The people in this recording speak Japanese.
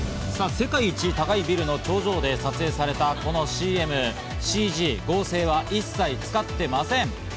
世界一高いビルの頂上で撮影されたこのＣＭ、ＣＧ、合成は一切使ってません。